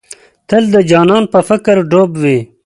تل د جانان په فکر ډوب وې.